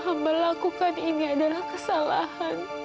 hamba lakukan ini adalah kesalahan